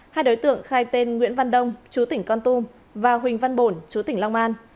hai đối tượng khai tên nguyễn văn đông chú tỉnh con tum và huỳnh văn bổn chú tỉnh long an